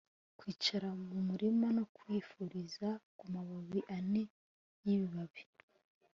kwicara mu murima no kwifuriza kumababi ane y'ibibabi ..